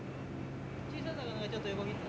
小さい魚がちょっと横切った。